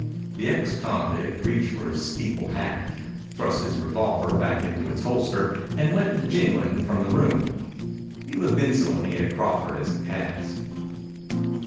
The ex convict reached for his steeple hat, thrust his revolver back into its holster, and went jingling from the room. He looked insolently at Crawford as he passed.